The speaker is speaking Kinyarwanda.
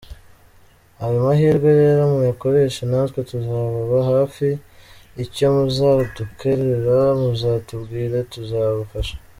Ayo mahirwe rero muyakoreshe natwe tuzababa hafi icyo muzadukeneraho muzatubwire tuzabafasha.